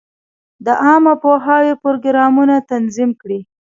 د عامه پوهاوي پروګرامونه تنظیم کړي.